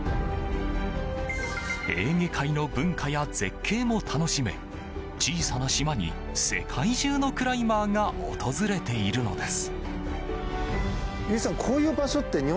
エーゲ海の文化や絶景も楽しめ小さな島に世界中のクライマーが訪れているのです。